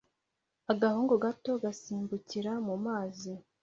Agahungu gato gasimbukira mu mazi